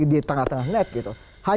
di tengah tengah lab gitu